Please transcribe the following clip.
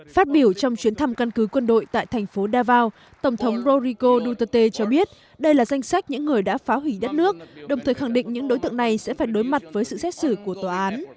phát biểu trong chuyến thăm căn cứ quân đội tại thành phố davao tổng thống rorico duterte cho biết đây là danh sách những người đã phá hủy đất nước đồng thời khẳng định những đối tượng này sẽ phải đối mặt với sự xét xử của tòa án